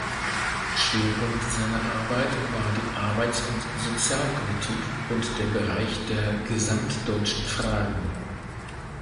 Schwerpunkt seiner Arbeit war die Arbeits- und Sozialpolitik und der Bereich der „Gesamtdeutschen Fragen“.